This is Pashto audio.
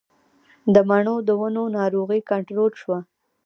د مڼو د ونو ناروغي کنټرول شوه؟